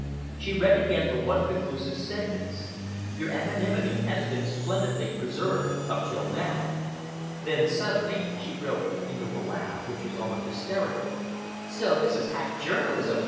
She read again the one conclusive sentence "Your anonymity has been splendidly preserved up till now." Then she suddenly broke into a laugh which was almost hysterical. "So this is his hack journalism!"